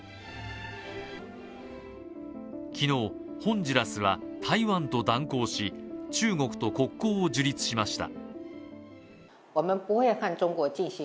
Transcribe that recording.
昨日、ホンジュラスは台湾と断交し、中国と国交を樹立しました。